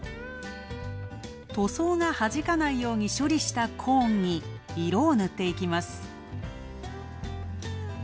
塗装がはじかないように処理したコーンに、色を塗っていきます。